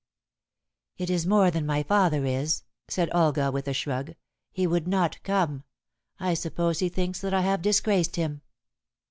"It is more than my father is," said Olga, with a shrug; "he would not come. I suppose he thinks that I have disgraced him."